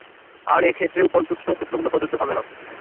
আর এক্ষেত্রে উপর্যুক্ত সূত্রগুলো প্রযোজ্য হবে না।